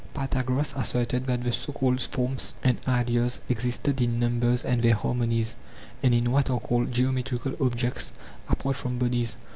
Pythagoras asserted that the so called forms and ideas exist in numbers and their harmonies, and in what are called geometrical objects, apart from bodies.